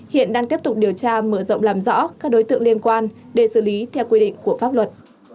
hiện đang tiếp tục điều tra mở rộng làm rõ các đối tượng liên quan để xử lý theo quy định của pháp luật